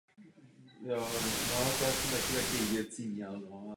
Je autorem historických spisů.